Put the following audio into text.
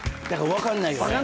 分かんないです。